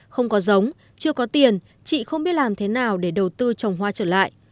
không có giống chưa có tiền chị không biết làm thế nào để đầu tư trồng hoa trở lại